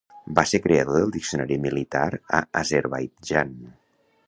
Va ser creador del diccionari militar a Azerbaidjan.